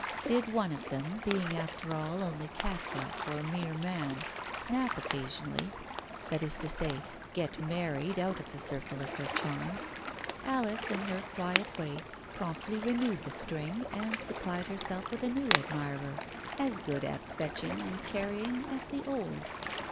Did one of them, being after all only catgut or mere man, snap occasionally — that is to say, get married out of the circle of her charm — Alice, in her quiet way, promptly renewed the string, and supplied herself with a new admirer, as good at fetching and carrying as the old.